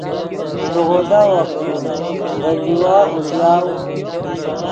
لیغودا وخت ݰوئے ڤے دیوا اوزیاؤ